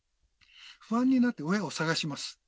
不安になって親を捜します。